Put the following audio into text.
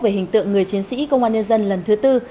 về hình tượng người chiến sĩ công an nhân dân lần thứ tư